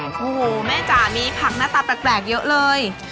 โอ้โหแม่จ๋ามีผักหน้าตาแปลกเยอะเลย